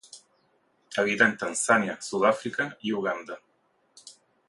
Habita en Tanzania, Sudáfrica y Uganda.